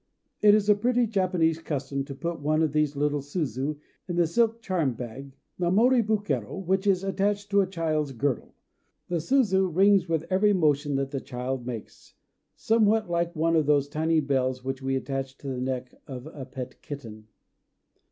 It is a pretty Japanese custom to put one of these little suzu in the silk charm bag (mamori bukero) which is attached to a child's girdle. The suzu rings with every motion that the child makes, somewhat like one of those tiny bells which we attach to the neck of a pet kitten.